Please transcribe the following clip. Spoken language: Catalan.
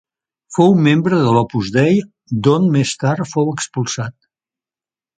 Fou membre de l'Opus Dei, d'on més tard fou expulsat.